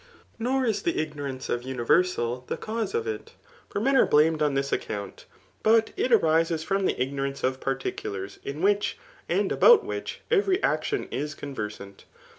Nor is the ignorance of .universal, the cause of it ; for men are blamed on diis account ; but it arises from the ignorance of particulars, in which, and about which, every action is conversant.